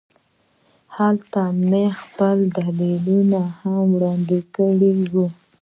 هلته مې خپل دلیلونه هم وړاندې کړي وو